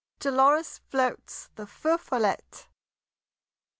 DOLORES FLOATS THE FEU FOLLETTE.